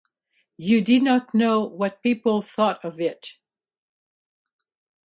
You didn't know what people thought of it.